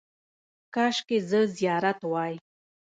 – کاشکې زه زیارت وای.